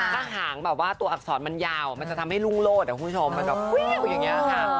ถ้าหางแบบว่าตัวอักษรมันยาวมันจะทำให้รุ่งโลศคุณผู้ชมมันแบบอย่างนี้ค่ะ